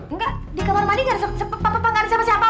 enggak di kamar mandi nggak ada siapa siapa pa